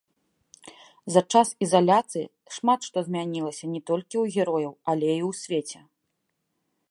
За час ізаляцыі шмат што змянілася не толькі ў герояў, але і ў свеце.